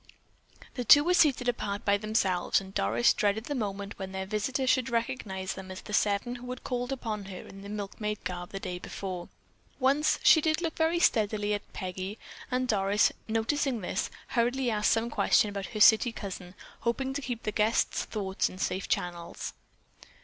The two were seated apart by themselves and Doris dreaded the moment when their visitor should recognize them as the seven who had called upon her in milkmaid garb the day before. Once she did look very steadily at Peggy, and Doris, noticing this, hurriedly asked some question about her city cousin, hoping to keep the guest's thoughts in safe channels.